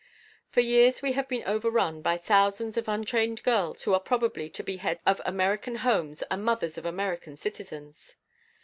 For years we have been overrun by thousands of untrained girls who are probably to be heads of American homes and mothers of American citizens.